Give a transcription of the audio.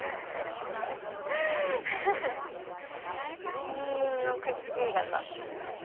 金印のクッキー型。